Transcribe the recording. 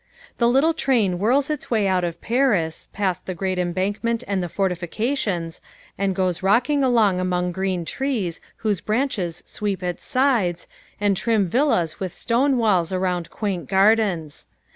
The little train whirls its way out of Paris, past the great embankment and the fortifications, and goes rocking along among green trees whose branches sweep its sides, and trim villas with stone walls around quaint gardens.